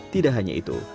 tidak hanya itu